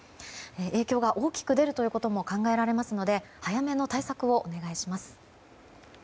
影響が大きく出るということも考えられますので早めの対策をお願いします。